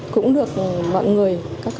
cũng được mọi người